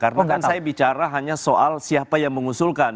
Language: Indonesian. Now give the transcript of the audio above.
karena kan saya bicara hanya soal siapa yang mengusulkan